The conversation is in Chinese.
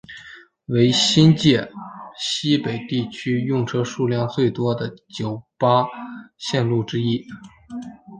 为新界西北地区用车数量最多的九巴路线之一。